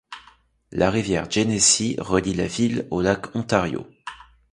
La rivière Genesee relie la ville au lac Ontario.